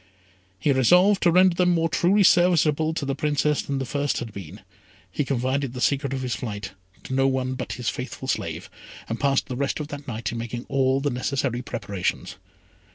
He resolved to render them more truly serviceable to the Princess than the first had been. He confided the secret of his flight to no one but his faithful slave, and passed the rest of the night in making all the necessary preparations.